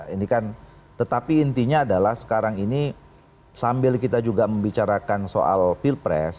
ini kan tetapi intinya adalah sekarang ini sambil kita juga membicarakan soal pilpres